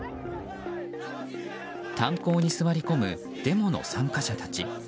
炭鉱に座り込むデモの参加者たち。